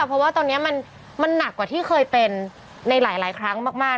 เพราะว่าตอนนี้มันหนักกว่าที่เคยเป็นในหลายครั้งมาก